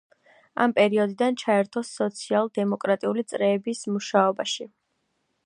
ამ პერიოდიდან ჩაერთო სოციალ-დემოკრატიული წრეების მუშაობაში.